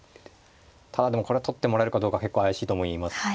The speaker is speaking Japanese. ただでもこれは取ってもらえるかどうか結構怪しいと思います。